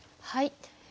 はい。